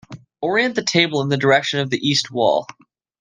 Orient the table in the direction of the east wall.